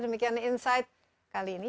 demikian insight kali ini